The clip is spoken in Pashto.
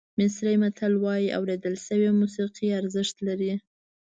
مصري متل وایي اورېدل شوې موسیقي ارزښت لري.